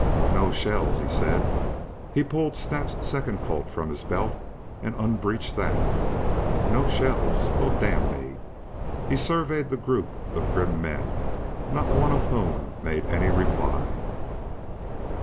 "No shells!" he said. He pulled Snap's second Colt from his belt, and unbreeched that. "No shells! Well, d n me!" He surveyed the group of grim men, not one of whom had any reply.